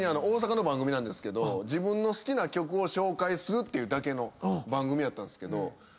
大阪の番組なんですけど自分の好きな曲を紹介するってだけの番組やったんですけど。